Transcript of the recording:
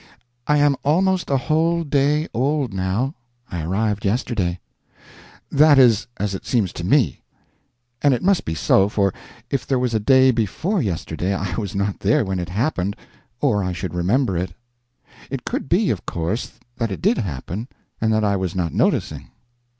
I am almost a whole day old, now. I arrived yesterday. That is as it seems to me. And it must be so, for if there was a day before yesterday I was not there when it happened, or I should remember it. It could be, of course, that it did happen, and that I was not noticing.